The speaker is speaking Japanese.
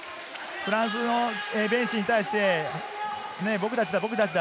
フランスのベンチに対して、僕たちだ、僕たちだ！